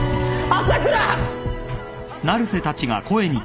朝倉？